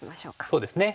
そうですね。